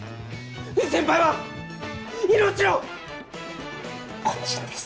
藤先輩は命の恩人です！